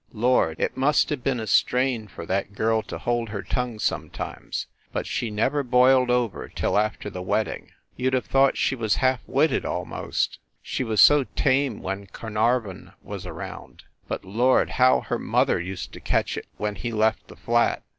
Lord! It must have been a strain for that girl to hold her tongue, some times, but she never boiled over till after the wed ding. You d have thought she was half witted, almost; she was so tame when Carnarvon was around. But Lord, how her mother used to catch it when he left the flat!